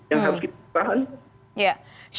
yang harus kita tahan